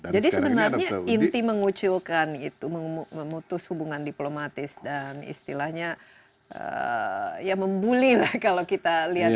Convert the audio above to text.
jadi sebenarnya inti mengucurkan itu memutus hubungan diplomatis dan istilahnya ya membuli lah kalau kita lihat itu